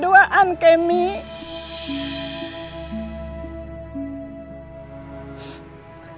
tepat dua hari sebelum kita menikah